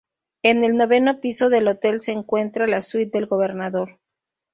En el noveno piso del hotel se encuentra la Suite del Gobernador.